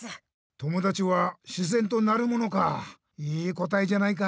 友だちは自然となるものかあいい答えじゃないか。